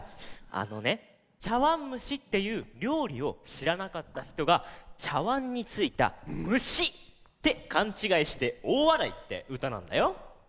あのね「ちゃわんむし」っていうりょうりをしらなかったひとがちゃわんについた「むし」ってかんちがいしておおわらいってうたなんだよ。